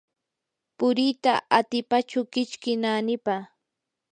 puriita atipachu kichki naanipa.